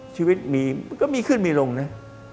ชีวิตมีก็มีขึ้นมีลงนะ